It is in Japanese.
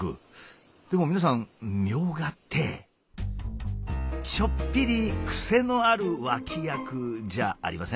でも皆さんみょうがってちょっぴりクセのある脇役じゃありません？